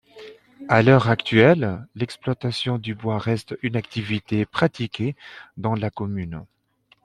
À l'heure actuelle, l'exploitation du bois reste une activité pratiquée dans la commune.